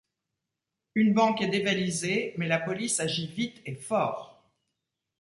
Une banque est dévalisée, mais la police agit vite et fort.